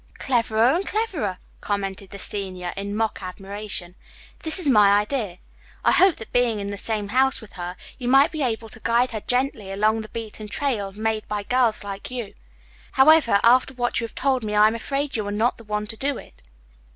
"Cleverer and cleverer," commented the senior, in mock admiration. "This is my idea. I had hoped that, being in the same house with her, you might be able to guide her gently along the beaten trail made by girls like you. However, after what you have told me, I am afraid you are not the one to do it."